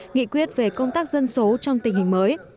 nghị quyết về công tác dân số trong tình hình mới